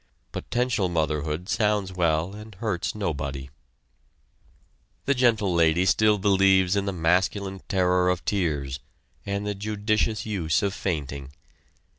Potential motherhood sounds well and hurts nobody. The Gentle Lady still believes in the masculine terror of tears, and the judicious use of fainting.